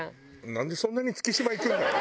なんでそんなに月島行くんだよ？